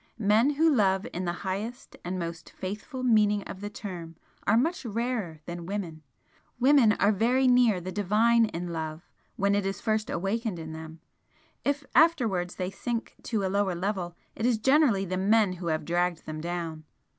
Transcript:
Men who love in the highest and most faithful meaning of the term, are much rarer than women, women are very near the divine in love when it is first awakened in them if afterwards they sink to a lower level, it is generally the men who have dragged them down.